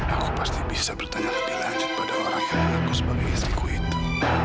aku pasti bisa bertanya lebih lanjut pada orang yang mengaku sebagai istriku itu